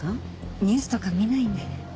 ニュースとか見ないんで。